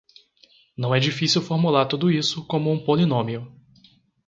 Não é difícil formular tudo isso como um polinômio.